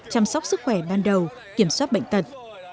chăm sóc sức khỏe ban đầu kiểm soát bệnh tật